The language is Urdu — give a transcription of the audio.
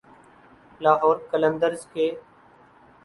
لاہور قلندرز کے